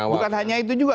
bukan hanya itu juga